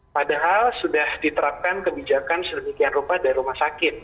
padahal sudah diterapkan kebijakan sedemikian rupa dari rumah sakit